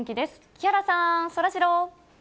木原さん、そらジロー。